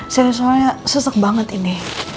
saya soalnya sesek banget ini